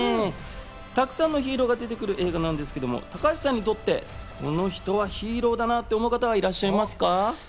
たくさんのヒーローが出てくる映画なんですけど高橋さんにとってこの人はヒーローだなって思う方はいらっしゃいますか？